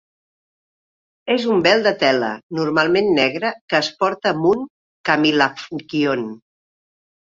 És un vel de tela, normalment negre, que es porta amb un kamilavkion.